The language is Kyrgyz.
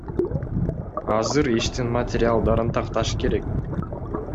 Азыр иштин материалдарын такташ керек.